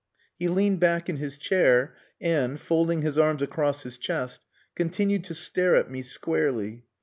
He leaned back in his chair and, folding his arms across his chest, continued to stare at me squarely.